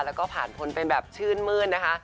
แล้วก็ผ่านพ้นไปแบบชื่นมื้นนะคะ